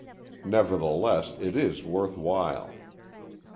Nevertheless, it is worth while.